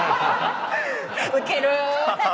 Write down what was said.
ウケる。